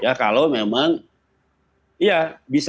ya kalau memang ya bisa class action atau bisa